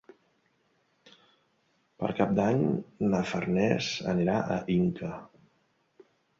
Per Cap d'Any na Farners anirà a Inca.